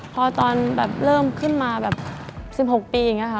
พอตอนแบบเริ่มขึ้นมาแบบ๑๖ปีอย่างนี้ค่ะ